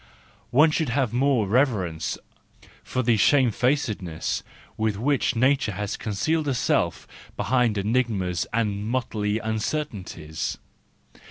One should have more reverence for the shame¬ facedness with which nature has concealed herself behind enigmas and motley uncertainties.